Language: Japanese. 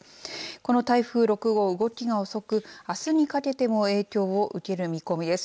この台風６号、動きが遅くあすにかけても影響を受ける見込みです。